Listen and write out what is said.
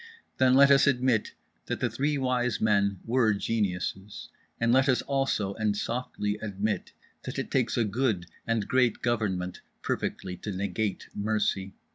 Then let us admit that the Three Wise Men were geniuses. And let us, also and softly, admit that it takes a good and great government perfectly to negate mercy.